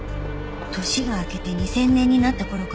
年が明けて２０００年になった頃から。